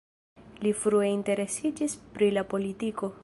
Li frue interesiĝis pri la politiko.